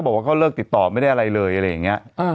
บริหารก็แทบนะ